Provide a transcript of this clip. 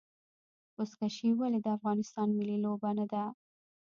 بزکشي ولې د افغانستان ملي لوبه نه ده؟